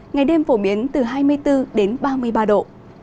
ngày đêm phổ biến từ hai mươi bốn đến ba mươi ba độ